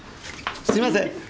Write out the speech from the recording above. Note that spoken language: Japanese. すみません。